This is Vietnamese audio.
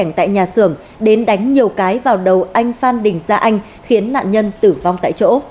bắc đi xe máy đến nhà xưởng đến đánh nhiều cái vào đầu anh phan đình gia anh khiến nạn nhân tử vong tại chỗ